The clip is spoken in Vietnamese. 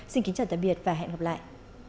xin kính chào tạm biệt và hẹn gặp lại